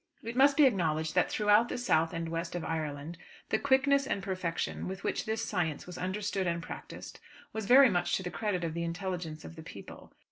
It must be acknowledged that throughout the south and west of Ireland the quickness and perfection with which this science was understood and practised was very much to the credit of the intelligence of the people.